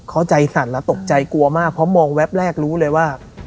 เขาใจสั่นแล้วตกใจกลัวมากเพราะมองแวบแรกรู้เลยว่า